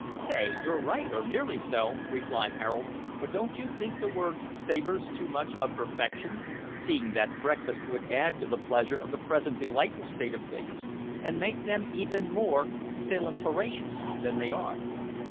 "Right; you're right, or nearly so," replied Harold; "but don't you think the word savours too much of perfection, seeing that breakfast would add to the pleasure of the present delightful state of things, and make them even more sailumterracious than they are?"